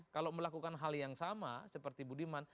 kalau melakukan hal yang sama seperti budiman